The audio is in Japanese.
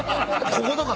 こことか。